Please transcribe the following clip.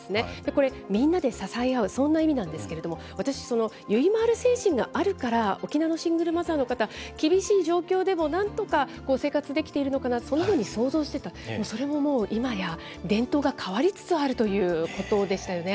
これ、みんなで支え合う、そんな意味なんですけれども、私、ゆいまーる精神があるから、沖縄のシングルマザーの方、厳しい状況でも、なんとか生活できているのかな、そんなふうに想像してた、それももう、いまや伝統が変わりつつあるということでしたよね。